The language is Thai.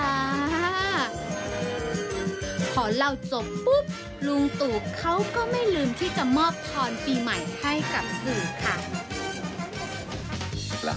พอเล่าจบปุ๊บลุงตู่เขาก็ไม่ลืมที่จะมอบพรปีใหม่ให้กับสื่อค่ะ